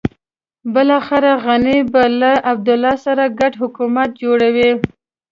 بلاخره غني به له عبدالله سره ګډ حکومت جوړوي.